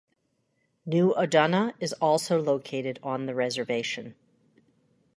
New Odanah is also located on the reservation.